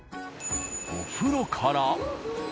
お風呂から。